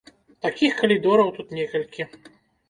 Такіх калідораў тут некалькі.